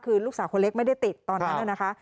คือลูกสาวคนเล็กไม่ได้ติดตอนนั้นนะคะ